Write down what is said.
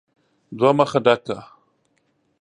دوه مخه ډک کړه !